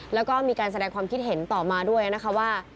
แล้วก็มีการแสดงความคิดเห็นต่อมาด้วยนะคะว่า